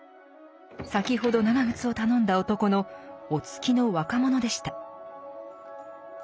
先ほど長靴を頼んだ男のお付きの若者でした。